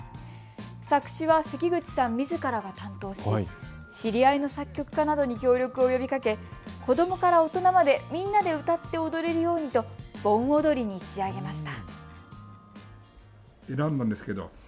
作詞は関口さんみずからが担当し知り合いの作曲家などに協力を呼びかけ子どもから大人までみんなで歌って踊れるようにと盆踊りに仕上げました。